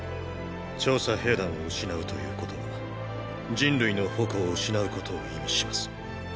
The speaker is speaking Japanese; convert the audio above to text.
調査兵団を失うということは人類の矛を失うことを意味します。